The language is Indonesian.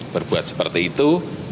berbuat seperti itu